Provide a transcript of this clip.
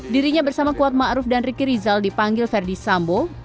dirinya bersama kuatma arief dan ricky rizal dipanggil ferdi sambo